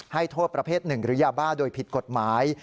ให้โทษประเภทหนึ่งหรือยาบ้าโดยผิดกฎหมาย